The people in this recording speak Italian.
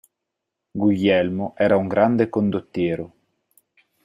Guglielmo era un grande condottiero.